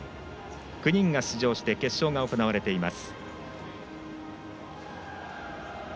９人が出場して決勝が行われています。